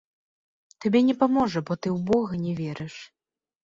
Табе не паможа, бо ты ў бога не верыш.